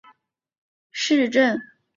赖沙是德国巴伐利亚州的一个市镇。